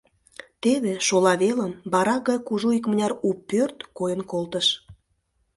Теве, шола велым, барак гай кужу икмыняр у пӧрт койын колтыш.